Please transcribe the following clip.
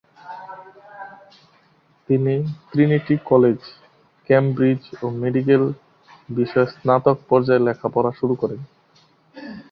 তিনি Trinity College, ক্যামব্রিজ-এ medical বিষয়ে স্নাতক পর্যায়ে লেখাপড়া শুরু করেন।